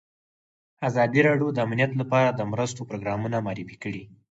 ازادي راډیو د امنیت لپاره د مرستو پروګرامونه معرفي کړي.